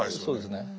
そうですね。